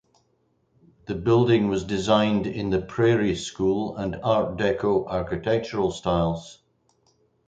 The building was designed in the Prairie School and Art Deco architectural styles.